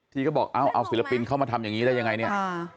เขาบอกเอาศิลปินเข้ามาทำอย่างนี้ได้ยังไงเนี่ย